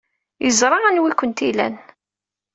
Yeẓra anwa ay kent-ilan.